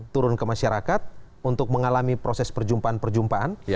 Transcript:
turun ke masyarakat untuk mengalami proses perjumpaan perjumpaan